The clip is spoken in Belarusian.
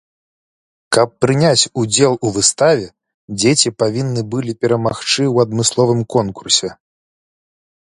Каб прыняць удзел у выставе дзеці павінны былі перамагчы ў адмысловым конкурсе.